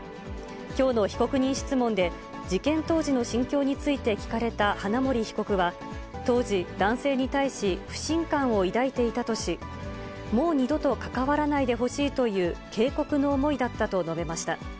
きょうの被告人質問で、事件当時の心境について聞かれた花森被告は、当時、男性に対し、不信感を抱いていたとし、もう二度と関わらないでほしいという警告の思いだったと述べました。